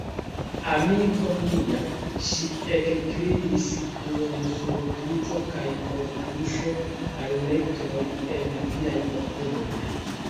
amiko mia, ŝi ekkriis kun surprizo kaj kortuŝo, larmetoj en viaj okuloj?